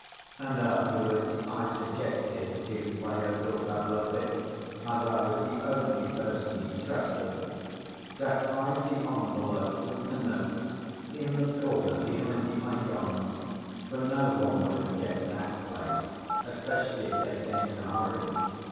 And afterwards I suggested to Fyodor Pavlovitch, as I was the only person he trusted, to hide the envelope with the notes in the corner behind the ikons, for no one would have guessed that place, especially if they came in a hurry.